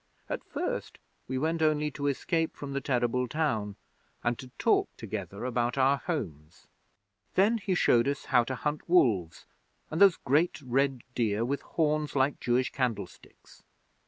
At first we went only to escape from the terrible town, and to talk together about our homes. Then he showed us how to hunt wolves and those great red deer with horns like Jewish candlesticks.